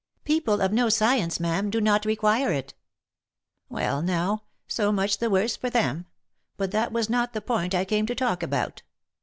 " People of no science, ma'am, do not require it." " Well now ! so much the worse for them ; but that was not the point I came to talk about.